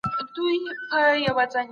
په دین کې نوې خبرې مه راوباسئ